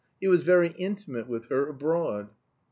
He was very intimate with her, abroad."